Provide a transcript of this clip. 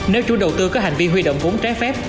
nếu chủ đầu tư có hành vi huy động vốn trái phép